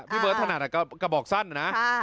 พี่เบิร์ดถนัดกระบอกสั้นนะ